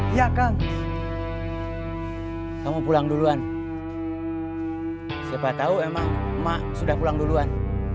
iya kang kamu pulang duluan siapa tahu emang mak sudah pulang duluan